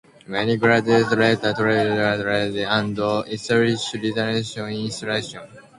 Many graduates later traveled abroad to propagate Islam and establish religious institutions.